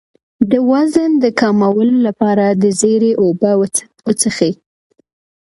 د وزن د کمولو لپاره د زیرې اوبه وڅښئ